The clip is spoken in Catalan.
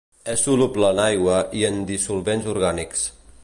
És soluble en aigua i en dissolvents orgànics.